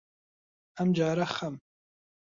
ئەمجارە خەم